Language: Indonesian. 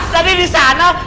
tadi di sana